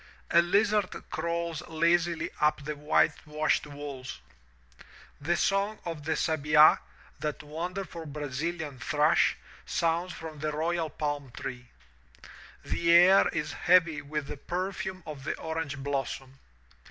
A lizard crawls lazily up the whitewashed wall. The song of the sabidy that wonderful Brazilian thrush, sounds from the royal palm tree. The air is heavy with the perfume of the orange blossom.